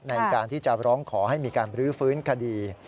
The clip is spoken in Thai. ในการที่จะร้องขอให้มีการบรื้อฟื้นคดี